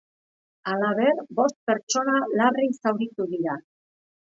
Halaber, bost pertsona larri zauritu dira.